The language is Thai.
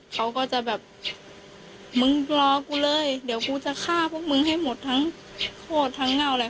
เขาก็จะแบบมึงรอกูเลยเดี๋ยวกูจะฆ่าพวกมึงให้หมดทั้งโคตรทั้งเง่าอะไร